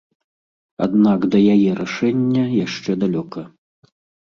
Аднак да яе рашэння яшчэ далёка.